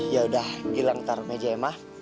ya udah gilang taruh meja ya ma